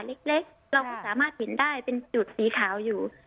เล็กเล็กค่ะเราก็สามารถเห็นได้เป็นจุดสีขาวอยู่อ๋อ